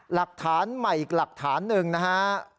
หลักฐานหนึ่งนะฮะ